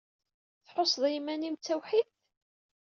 Tḥusseḍ s yiman-im d tawḥidt?